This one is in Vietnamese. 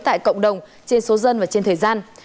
tại cộng đồng trên số dân và trên thời gian